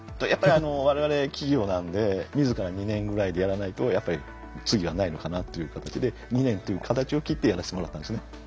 やっぱり我々企業なんで自ら２年ぐらいでやらないとやっぱり次はないのかなっていう形で２年という形を切ってやらせてもらったんですね。